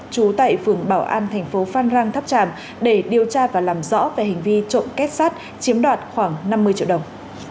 trú tại phường bảo an thành phố phan rang tháp tràm để điều tra và làm rõ về hành vi trộm kết sát chiếm đoạt khoảng năm mươi triệu đồng